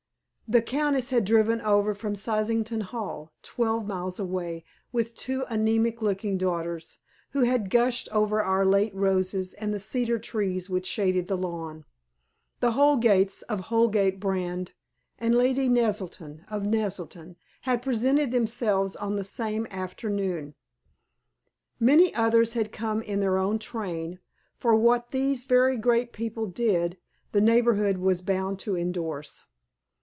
The Countess had driven over from Sysington Hall, twelve miles away, with two anæmic looking daughters, who had gushed over our late roses and the cedar trees which shaded the lawn. The Holgates of Holgate Brand and Lady Naselton of Naselton had presented themselves on the same afternoon. Many others had come in their train, for what these very great people did the neighborhood was bound to endorse.